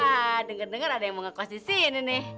haaa denger denger ada yang mau ngekos disini nih